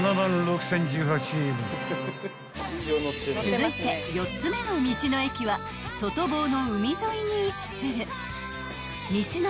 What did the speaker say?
［続いて４つ目の道の駅は外房の海沿いに位置する］